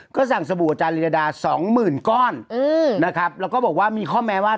ก็สั่งสบู่อาจารลียดาสองหมื่นก้อนนะครับแล้วก็บอกว่ามีข้อแม้ว่า